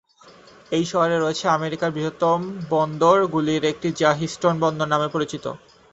এই শহরে রয়েছে আমেরিকার বৃহত্তম বন্দর গুলির একটি যা হিউস্টন বন্দর নামে পরিচিত।